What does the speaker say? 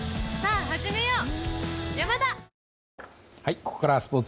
ここからはスポーツ。